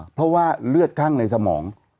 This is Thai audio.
เพราะว่าเลือดข้างในสมอง